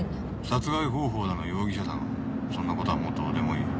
殺害方法だの容疑者だのそんなことはもうどうでもいい。